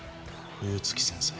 冬月先生。